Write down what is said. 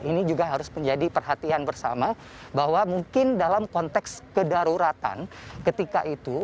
ini juga harus menjadi perhatian bersama bahwa mungkin dalam konteks kedaruratan ketika itu